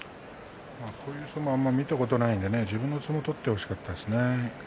こういう相撲はあまり見たことがないので自分の相撲を取ってほしかったですね。